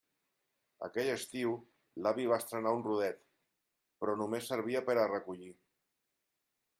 Aquell estiu l'avi va estrenar un rodet, però només servia per a recollir.